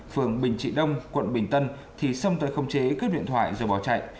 phường bình trị đông quận bình tân thì xông tới không chế cướp điện thoại rồi bỏ chạy